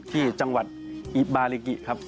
ที่จังหวัดอิบาริกิครับ